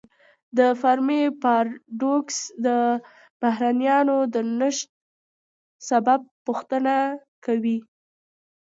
د فرمی پاراډوکس د بهرنیانو د نشت سبب پوښتنه کوي.